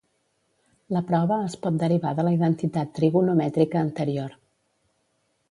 La prova es pot derivar de la identitat trigonomètrica anterior.